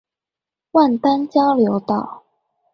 萬丹交流道